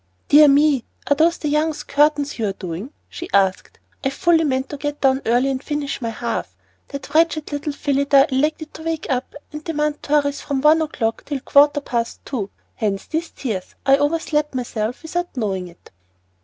"Dear me! are those the Youngs' curtains you are doing?" she asked. "I fully meant to get down early and finish my half. That wretched little Phillida elected to wake up and demand ''tories' from one o'clock till a quarter past two. 'Hence these tears.' I overslept myself without knowing it."